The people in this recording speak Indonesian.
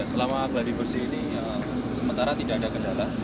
selama geladi bersih ini sementara tidak ada kendala